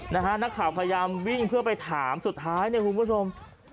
นักข่าวพยายามวิ่งเพื่อไปถามสุดท้ายเนี่ยคุณผู้ชม